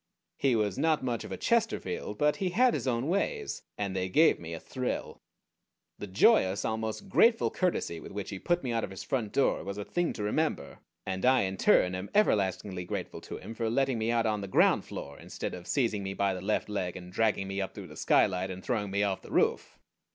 He was not much of a Chesterfield; but he had his own ways, and they gave me a thrill. The joyous, almost grateful courtesy with which he put me out of his front door was a thing to remember, and I in turn am everlastingly grateful to him for letting me out on the ground floor instead of seizing me by the left leg and dragging me up through the skylight, and throwing me off the roof.